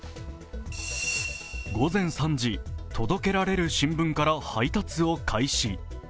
午前３時、届けられる新聞から配達を開始。